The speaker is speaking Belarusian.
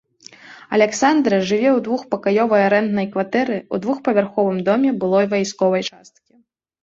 Аляксандра жыве ў двухпакаёвай арэнднай кватэры ў двухпавярховым доме былой вайсковай часткі.